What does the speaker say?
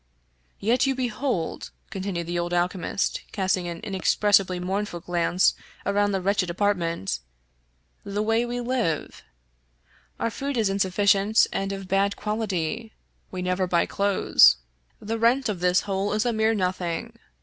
" Yet you behold," continued the old alchemist, casting an inexpressibly mournful glance around the wretched apartment, " the way we live. Our food is insufficient and of bad quality'; we never buy clothes ; the rent of this hole is a mere nothing.